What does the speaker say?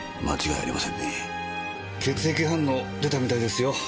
血液反応出たみたいですよ。